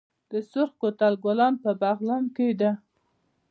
د سرخ کوتل کلا په بغلان کې ده